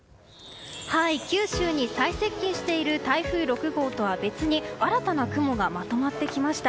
九州に最接近している台風６号とは別に新たな雲がまとまってきました。